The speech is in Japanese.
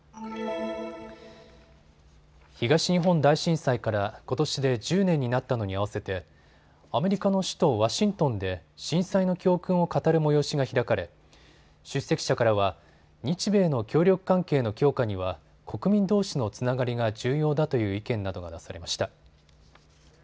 東日本大震災からことしで１０年になったのに合わせてアメリカの首都ワシントンで震災の教訓を語る催しが開かれ出席者からは日米の協力関係の強化には国民どうしのつながりが重要だという意見などが出されました。